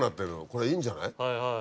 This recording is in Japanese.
これいいんじゃない？